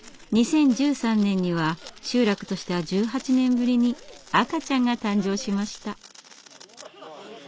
２０１３年には集落としては１８年ぶりに赤ちゃんが誕生しました。